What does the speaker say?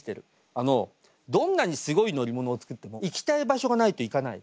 あのどんなにすごい乗り物を作っても行きたい場所がないと行かない。